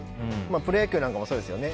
プロ野球なんかもそうですよね。